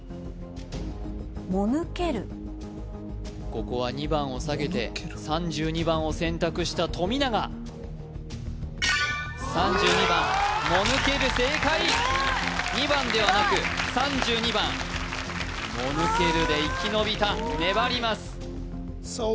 ここは２番を下げて３２番を選択した富永３２番もぬける正解２番ではなく３２番すごい「もぬける」で生き延びた粘ります